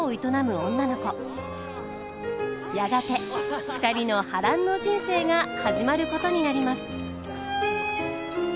やがて２人の波乱の人生が始まることになります。